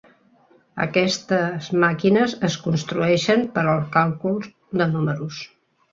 Aquestes màquines es construeixen per al càlcul de números.